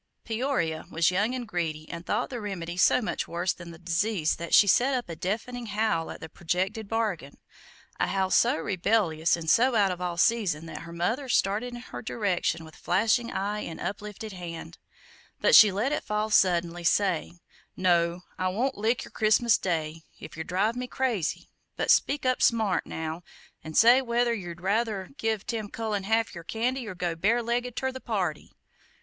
Peoria was young and greedy, and thought the remedy so much worse than the disease that she set up a deafening howl at the projected bargain a howl so rebellious and so out of all season that her mother started in her direction with flashing eye and uplifted hand; but she let it fall suddenly, saying, "No, I won't lick ye Christmas day, if yer drive me crazy; but speak up smart, now, 'n say whether yer'd ruther give Tim Cullen half yer candy or go bare legged ter the party?"